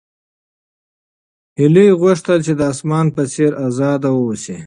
هیلې غوښتل چې د اسمان په څېر ازاده اوسي.